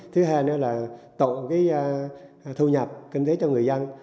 thứ hai nữa là tạo thu nhập kinh tế cho người dân